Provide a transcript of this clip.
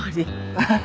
アハハ。